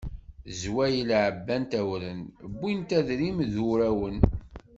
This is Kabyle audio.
Zwayel ɛebbant awren, wwint adrim d wurawen.